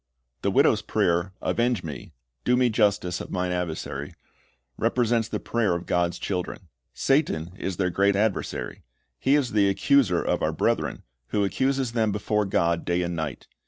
"^ The widow's prayer, "Avenge me" — "do me justice"'' — "of mine adversary," represents the prayer of God's children. Satan is their great adversary. He is the "accuser of our brethren," who accuses them before God day and night.